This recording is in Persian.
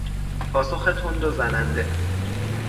پاسخ تند و زننده